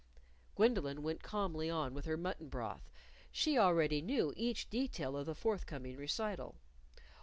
Gwendolyn went calmly on with her mutton broth. She already knew each detail of the forth coming recital.